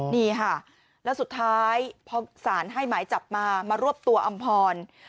นี่ค่ะแล้วสุดท้ายพอสารให้หมายจับมามารวบตัวอำพร